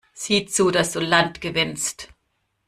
Sieh zu, dass du Land gewinnst!